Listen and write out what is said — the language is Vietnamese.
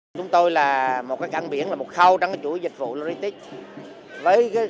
chúng tôi là một cái cảng biển là một khâu trong cái chuỗi dịch vụ logistics với cái